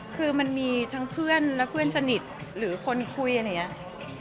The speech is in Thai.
คือมันมีทั้งเพื่อนและเพื่อนสนิทหรือคนคุยอะไรอย่างนี้